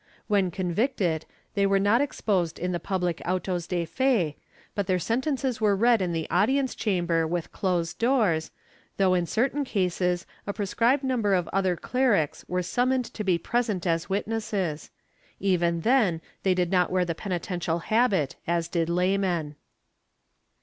When convicted, they were not exposed in the pubHc autos de fe, but their sentences were read in the audience chamber with closed doors, though in certain cases a prescribed number of other clerics were summoned to be present as witnesses ; even then they did not wear the penitential habit as did laymen.'